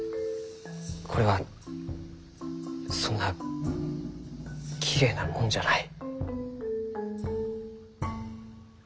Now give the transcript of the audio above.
これはそんなきれいなもんじゃない。